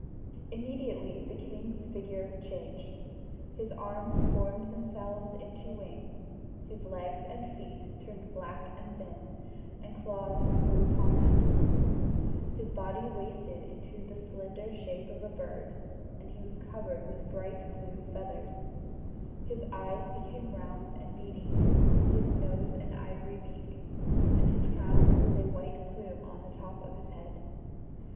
Immediately the king's figure changed. His arms formed themselves into wings; his legs and feet turned black and thin, and claws grew upon them; his body wasted into the slender shape of a bird, and was covered with bright blue feathers; his eyes became round and beady; his nose an ivory beak; and his crown was a white plume on the top of his head.